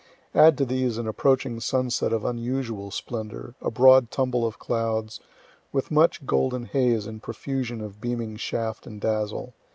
Add to these an approaching sunset of unusual splendor, a broad tumble of clouds, with much golden haze and profusion of beaming shaft and dazzle.